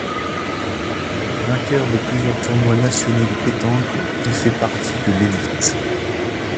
Vainqueur de plusieurs tournois nationaux de pétanque, il fait partie de l'élite.